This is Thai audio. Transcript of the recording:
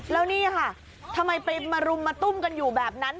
แล้วนี่ค่ะทำไมไปมารุมมาตุ้มกันอยู่แบบนั้น